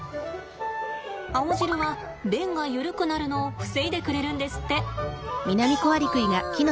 青汁は便がゆるくなるのを防いでくれるんですって。